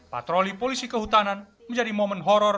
patroli polisi kehutanan menjadi momen horror